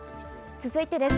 続いてです。